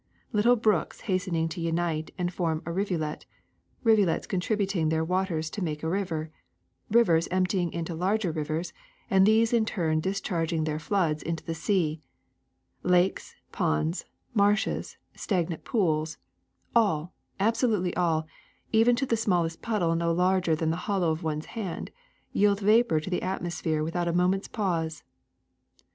Little brooks hastening to unite and form a rivulet, rivulets contributing their waters to make a river, rivers emptying into larger rivers, and these in turn discharging their floods into the sea; lakes, ponds, marshes, stagnant pools — all, absolutely all, even to the smallest puddle no larger than the hollow of one^s hand, yield vapor to the atmosphere without a moment's pause.